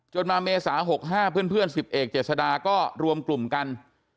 มาเมษา๖๕เพื่อน๑๐เอกเจษดาก็รวมกลุ่มกัน